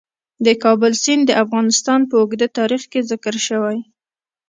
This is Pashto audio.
د کابل سیند د افغانستان په اوږده تاریخ کې ذکر شوی.